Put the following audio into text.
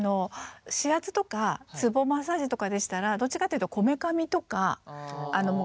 指圧とかツボマッサージとかでしたらどっちかっていうとこめかみとか眉毛とか。